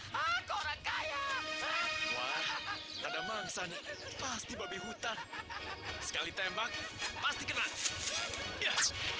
masa orang sakti bisa ketembak orang ya